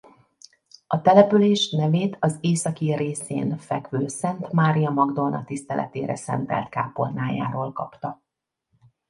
A település nevét az északi részén fekvő Szent Mária Magdolna tiszteletére szentelt kápolnájáról kapta.